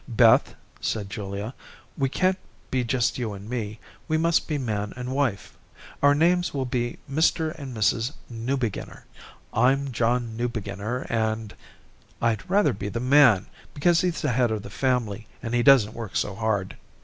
"Beth," said Julia, "we can't be just you and me. We must be man and wife. Our names will be Mr. and Mrs. Newbeginner. I'm John Newbeginner, and " "I'd rather be the man, because he's the head of the family and he doesn't work so hard.